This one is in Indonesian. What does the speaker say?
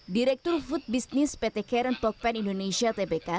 direktur food business pt karen pokpen indonesia tbk